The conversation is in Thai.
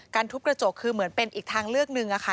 ทุบกระจกคือเหมือนเป็นอีกทางเลือกหนึ่งค่ะ